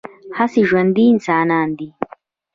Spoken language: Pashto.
هسې ژوندي انسانان دي